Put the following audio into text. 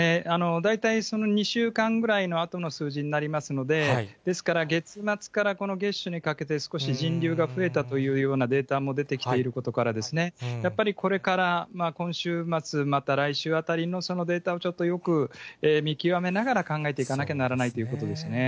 大体、その２週間ぐらいのあとの数字になりますので、ですから月末からこの月初にかけて、人流が増えたというようなデータも出てきていることから、やっぱりこれから、今週末、また来週あたりのそのデータをちょっとよく見極めながら考えていかなきゃならないということですね。